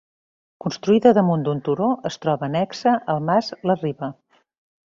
Construïda damunt d'un turó, es troba annexa al mas La Riba.